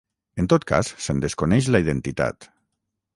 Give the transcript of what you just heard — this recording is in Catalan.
En tot cas, se'n desconeix la identitat.